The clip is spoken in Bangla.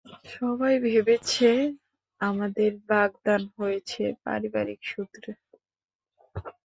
সবাই ভেবেছে আমাদের বাগদান হয়েছে পারিবারিক সূত্রে!